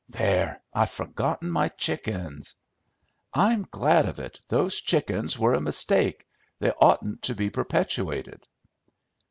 "There! I've forgotten my chickens." "I'm glad of it. Those chickens were a mistake. They oughtn't to be perpetuated."